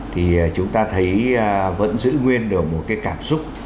thì chúng ta thấy vẫn giữ nguyên được một cái cảm xúc